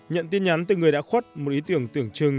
nhận tin nhắn từ người đã khuất một ý tưởng tưởng chừng